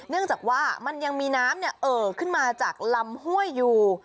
เนื่องจากว่ามันยังมีน้ำเอ่อขึ้นมาจากลำห้วยอยู่